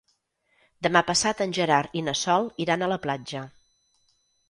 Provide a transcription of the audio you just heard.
Demà passat en Gerard i na Sol iran a la platja.